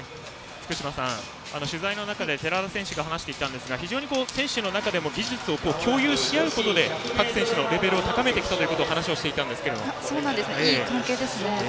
福島さん、取材の中で寺田選手が話していたんですが非常に選手の中でも技術を共有し合うことで各選手のレベルを高めてきたといういい関係ですね。